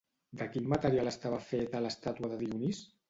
De quin material estava feta l'estàtua de Dionís?